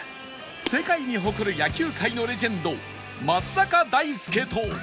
世界に誇る野球界のレジェンド松坂大輔と